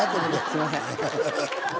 すいません。